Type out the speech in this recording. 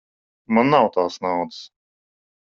Man nav tās naudas.